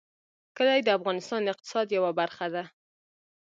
کلي د افغانستان د اقتصاد یوه برخه ده.